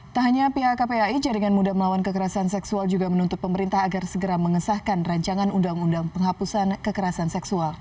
tak hanya pihak kpai jaringan muda melawan kekerasan seksual juga menuntut pemerintah agar segera mengesahkan rancangan undang undang penghapusan kekerasan seksual